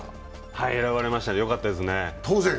はい、選ばれました、よかったですね。